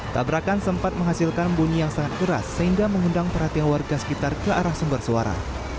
tabrakan sempat menghasilkan bunyi yang sangat keras sehingga mengundang perhatian warga sekitar ke arah sumber suara